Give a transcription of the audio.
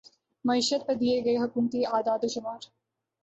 معیشت پر دیے گئے حکومتی اعداد و شمار